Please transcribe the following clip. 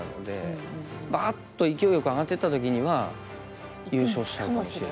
バーッと勢いよく上がっていった時には優勝しちゃうかもしれない。